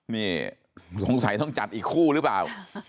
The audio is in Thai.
นี่สงสัยต้องจัดอีกคู่หรือเปล่า